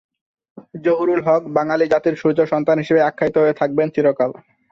জহুরুল হক 'বাঙালি জাতির সূর্য সন্তান' হিসেবে আখ্যায়িত হয়ে থাকবেন চিরকাল।